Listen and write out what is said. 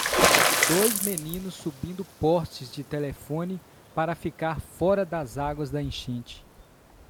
Dois meninos subindo postes de telefone para ficar fora das águas da enchente